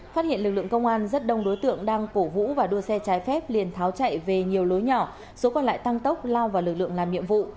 phát hiện lực lượng công an rất đông đối tượng đang cổ vũ và đua xe trái phép liền tháo chạy về nhiều lối nhỏ số còn lại tăng tốc lao vào lực lượng làm nhiệm vụ